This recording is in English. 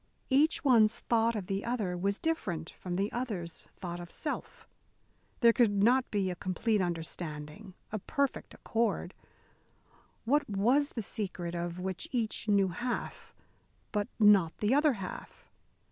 Each one's thought of the other was different from the other's thought of self. There could not be a complete understanding, a perfect accord. What was the secret, of which each knew half, but not the other half?